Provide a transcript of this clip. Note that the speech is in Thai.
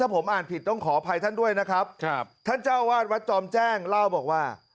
ผมอ่านผิดต้องขออภัยท่านด้วยนะครับครับท่านเจ้าวาดวัดจอมแจ้งเล่าบอกว่า